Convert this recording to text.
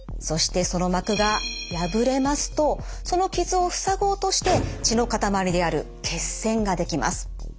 そしてその膜が破れますとその傷を塞ごうとして血のかたまりである血栓ができます。